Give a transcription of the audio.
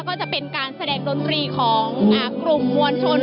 ก็จะเป็นการแสดงดนตรีของกลุ่มมวลชน